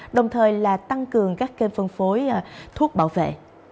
đồng thời là tăng cường các kênh phân phối thuốc bảo vệ